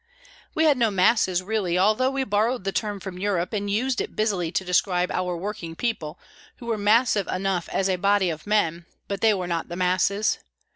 We had no masses really, although we borrowed the term from Europe and used it busily to describe our working people, who were massive enough as a body of men, but they were not the masses.